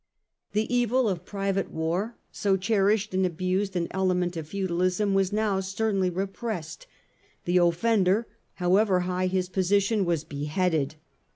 The evil of private war, so cherished and abused an element of feudalism, was now sternly suppressed. The offender, however high his position, was beheaded.